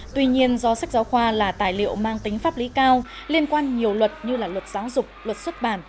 tuy nhiên do sách giáo khoa là tài liệu mang tính pháp lý cao liên quan nhiều luật như là luật giáo dục luật xuất bản